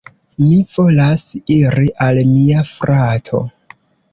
Mi volas iri al mia frato.